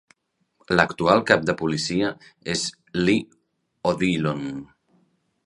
L'actual cap de policia és Lee O'Dillon.